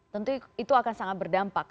tentu itu akan sangat berdampak